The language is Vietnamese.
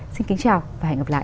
xin kính chào và hẹn gặp lại